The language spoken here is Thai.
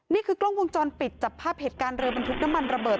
นี่คือกล้องวงจรปิดจับภาพเหตุการณ์เรือบรรทุกน้ำมันระเบิด